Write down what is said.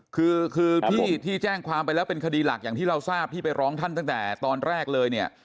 คือคือที่แจ้งความไปแล้วเป็นคดีหลักอย่างที่เราทราบที่ไปร้องท่านตั้งแต่ตอนแรกเลยเนี่ย